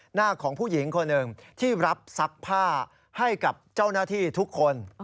หน้าของผู้หญิงคนหนึ่งที่รับซักผ้าให้กับเจ้าหน้าที่ทุกคน